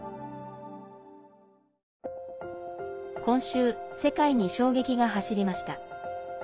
今週、世界に衝撃が走りました。